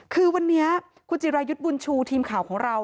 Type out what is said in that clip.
คือวันนี้คุณจิรายุทธ์บุญชูทีมข่าวของเรา